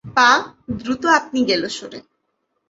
পা দ্রুত আপনি গেল সরে।